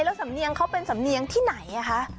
แล้วสำเนียงเขาเป็นสำเนียงที่ไหนคะ